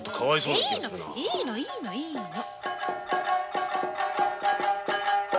いいのいいのいいの。